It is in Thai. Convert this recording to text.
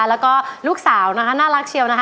แล้วก็ลูกสาวนะคะน่ารักเชียวนะคะ